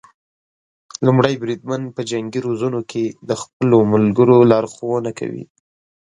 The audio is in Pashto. لومړی بریدمن په جنګي روزنو کې د خپلو ملګرو لارښونه کوي.